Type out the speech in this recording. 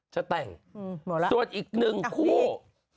จะแต่งอืมหมดละส่วนอีกหนึ่งคู่อัฟฟิก